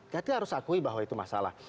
kita harus akui bahwa itu masalah